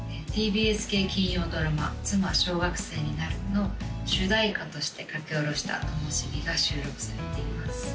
ＴＢＳ系金曜ドラマ「妻、小学生になる。」の主題歌として書き下ろした「灯火」が収録されています